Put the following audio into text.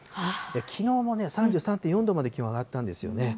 きのうもね、３３．４度まで気温上がったんですよね。